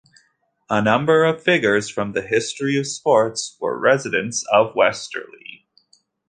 A number of figures from the history of sports were residents of Westerly.